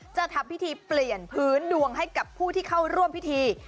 จะทำพิธีเปลี่ยนพื้นดวงให้กับผู้ที่เข้าร่วมพิธี